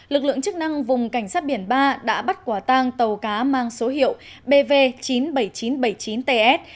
lực lượng chức năng vùng cảnh sát biển ba đã bắt quả tang tàu cá mang số hiệu bv chín mươi bảy nghìn chín trăm bảy mươi chín ts